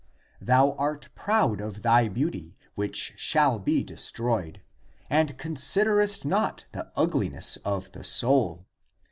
Thou art proud of thy beauty which shall be destroyed, and considerest not the ugliness of the soul.